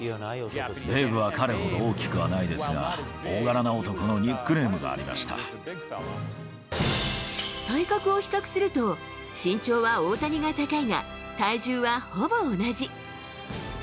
ベーブは彼ほど大きくはないですが、大柄な男のニックネームがあ体格を比較すると、身長は大谷が高いが、体重はほぼ同じ。